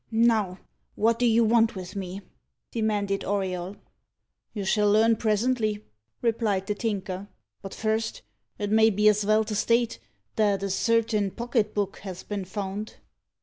"Now, what do you want with me?" demanded Auriol. "You shall learn presently," replied the Tinker; "but first, it may be as vell to state, that a certain pocket book has been found."